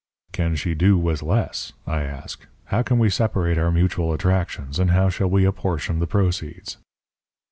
"'Can she do with less?' I ask. 'How can we separate our mutual attractions, and how shall we apportion the proceeds?'